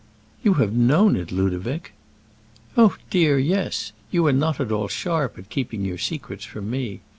"You have known it, Ludovic!" "Oh, dear, yes; you are not at all sharp at keeping your secrets from me.